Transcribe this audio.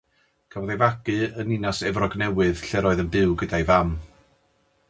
Cafodd ei fagu yn Ninas Efrog Newydd lle'r oedd yn byw gyda'i fam.